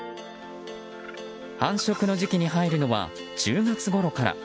繁殖の時期に入るのは１０月ごろから。